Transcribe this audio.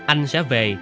anh sẽ về